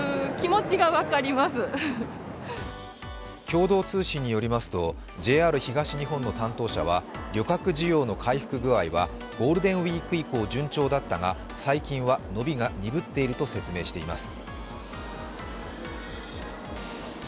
共同通信によりますとＪＲ東日本の担当者は旅客需要の回復具合はゴールデンウイーク以降順調だったが、最近は伸びが鈍っていると説明します。